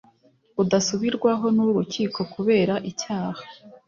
budasubirwaho n urukiko kubera icyaha